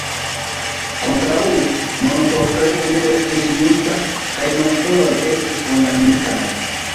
Kontraŭe, monopolprezo ne estus justa, kaj monopoloj estus kondamnitaj.